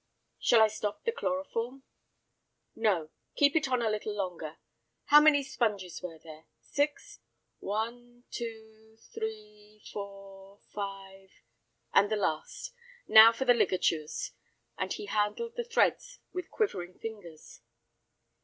"Shall I stop the chloroform?" "No, keep it on a little longer. How many sponges were there? Six? One, two, three, four, five, and the last. Now for the ligatures," and he handled the threads with quivering fingers.